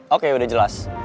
oke udah jelas